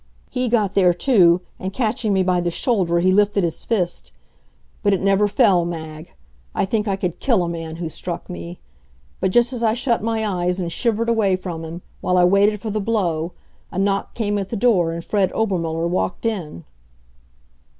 He got there, too, and catching me by the shoulder, he lifted his fist. But it never fell, Mag. I think I could kill a man who struck me. But just as I shut my eyes and shivered away from him, while I waited for the blow, a knock came at the door and Fred Obermuller walked in.